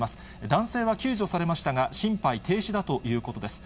男性は救助されましたが、心肺停止だということです。